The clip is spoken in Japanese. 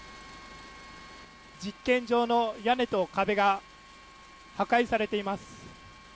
実験場の屋根と壁が、破壊されています。